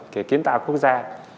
cái kiến tạo quốc gia